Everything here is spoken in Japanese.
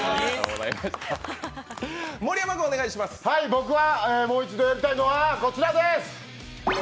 僕がもう一度やりたいのは、こちらです。